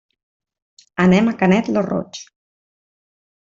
Anem a Canet lo Roig.